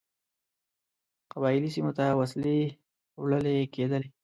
قبایلي سیمو ته وسلې وړلې کېدلې.